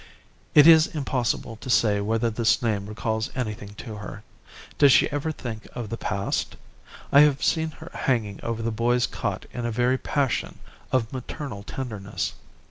"It is impossible to say whether this name recalls anything to her. Does she ever think of the past? I have seen her hanging over the boy's cot in a very passion of maternal tenderness.